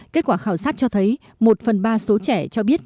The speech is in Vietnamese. kết quả khảo sát cho thấy một phần ba số trẻ cho biết